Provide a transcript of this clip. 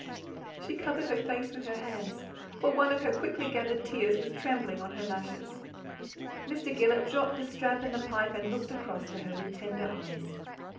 She covered her face with her hands, for one of her quickly gathered tears was trembling on her lashes. Mr. Gillet dropped the strap and the pipe, and looked across to her with tender eyes.